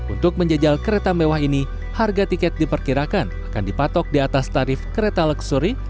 untuk menjajal kereta mewah ini harga tiket diperkirakan akan dipatok di atas tarif kereta luksuri